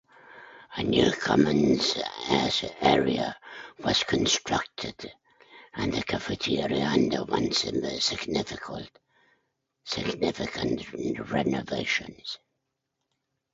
A new commons area was constructed and the cafeteria underwent significant renovations.